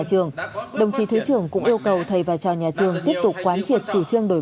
trường đồng chí thứ trưởng cũng yêu cầu thầy và trò nhà trường tiếp tục quán triệt chủ trương đổi